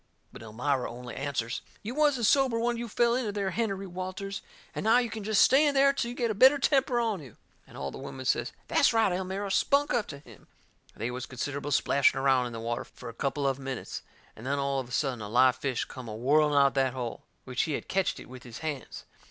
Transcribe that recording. But Elmira only answers: "You wasn't sober when you fell into there, Hennerey Walters. And now you can jest stay in there till you get a better temper on you!" And all the women says: "That's right, Elmira; spunk up to him!" They was considerable splashing around in the water fur a couple of minutes. And then, all of a sudden, a live fish come a whirling out of that hole, which he had ketched it with his hands.